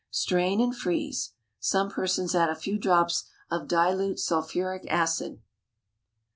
Strain and freeze. Some persons add a few drops of dilute sulphuric acid.